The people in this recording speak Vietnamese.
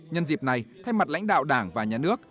nhân dịp này thay mặt lãnh đạo đảng và nhà nước